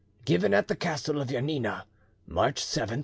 "Given at the castle of Janina, March 7, 1821."